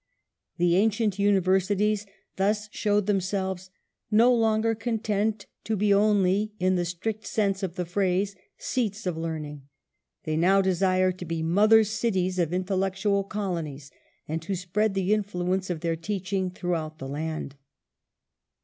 The ancient Universities thus show themselves " no longer content to be only in the strict sense of the phrase ' seats of learning '; they now desire to be mother cities of intellectual colonies, and to spread the influ ence of their teaching throughout the land